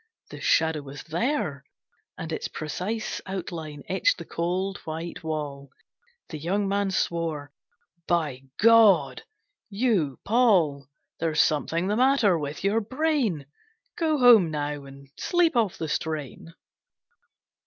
The Shadow was there, and its precise Outline etched the cold, white wall. The young man swore, "By God! You, Paul, There's something the matter with your brain. Go home now and sleep off the strain."